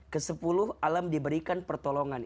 kesepuluh alam diberikan pertolongan